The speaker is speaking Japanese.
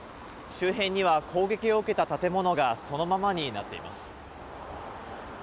周辺には攻撃を受けた建物がそのままになっています。